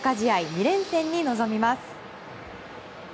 ２連戦に臨みます。